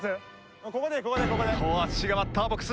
伊藤淳史がバッターボックス。